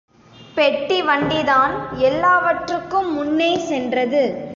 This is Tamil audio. பெட்டி வண்டி தான் எல்லாவற்றுக்கும் முன்னே சென்றது.